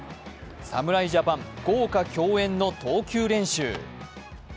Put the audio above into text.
侍ジャパン豪華共演の投球練習。